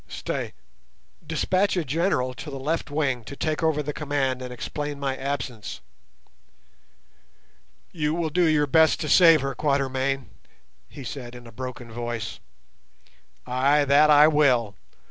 Stay, despatch a general to the left wing to take over the command and explain my absence." "You will do your best to save her, Quatermain?" he said in a broken voice. "Ay, that I will.